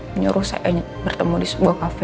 menyuruh saya bertemu di sebuah kafe